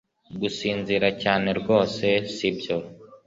Gusinzira cyane rwose si byo